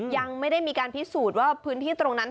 ยังไม่ได้มีการพิสูจน์ว่าพื้นที่ตรงนั้น